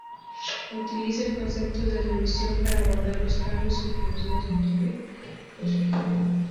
Utiliza el concepto de revisión para guardar los cambios producidos en el repositorio.